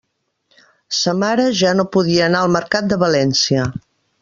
Sa mare ja no podia anar al Mercat de València.